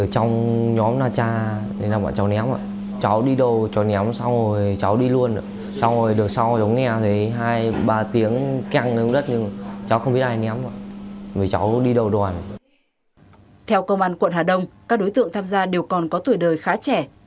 theo công an quận hà đông các đối tượng tham gia đều còn có tuổi đời khá trẻ